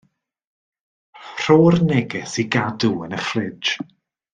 Rho'r neges i gadw yn y ffridj.